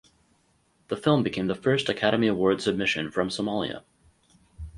The film became the first Academy Award submission from Somalia.